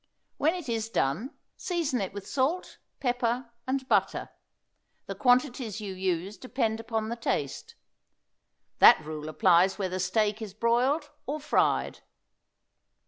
When it is done season it with salt, pepper and butter. The quantities you use depend upon the taste. That rule applies whether steak is broiled or fried.